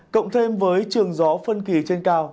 cộng thêm với trường gió phân kỳ trên cao